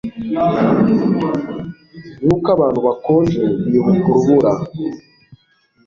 nkuko abantu bakonje bibuka urubura-